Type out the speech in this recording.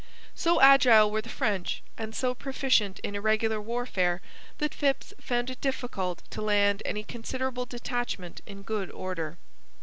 So agile were the French and so proficient in irregular warfare that Phips found it difficult to land any considerable detachment in good order.